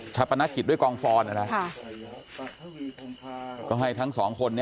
ชาปนาจิตด้วยฝากองฟอนมึงนะครับก็ให้ทั้งสองคนจะ